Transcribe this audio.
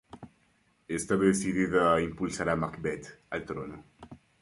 Está decidida a impulsar a Macbeth al trono.